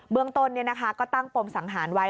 เมืองต้นก็ตั้งปมสังหารไว้